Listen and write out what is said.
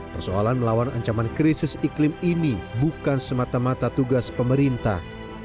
persoalan melawan ancaman krisis iklim ini bukan semata mata tugas pemerintah